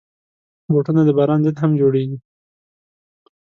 بوټونه د باران ضد هم جوړېږي.